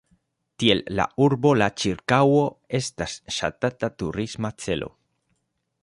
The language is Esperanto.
Tiel la urbo, la ĉirkaŭo estas ŝatata turisma celo.